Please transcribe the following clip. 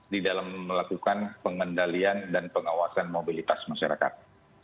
di dalam melakukan pengendalian dan pengawasan mobilitas masyarakat